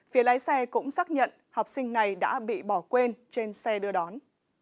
phía lái xe cũng xác nhận học sinh này đã bị bỏ quên trên xe đưa đón